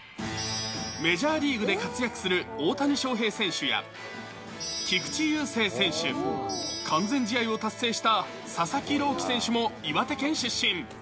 メジャーリーグで活躍する大谷翔平選手や、菊池雄星選手、完全試合を達成した佐々木朗希選手も岩手県出身。